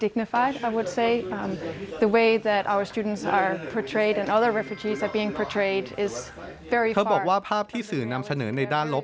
เขาบอกว่าภาพที่สื่อนำเสนอในด้านลบ